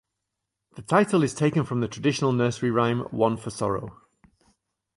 The title is taken from the traditional nursery rhyme One for Sorrow.